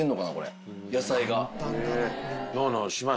野菜が。